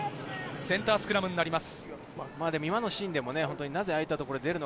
センタースクラムになります。